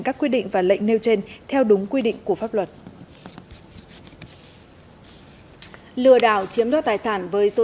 các quy định và lệnh nêu trên theo đúng quy định của pháp luật lừa đảo chiếm đoạt tài sản với số